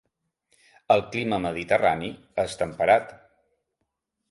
El clima mediterrani és temperat.